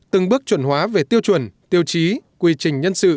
từng bước chuẩn hóa về tiêu chuẩn tiêu chí quy trình nhân sự